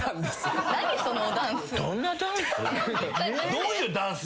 どういうダンス？